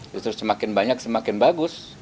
justru semakin banyak semakin bagus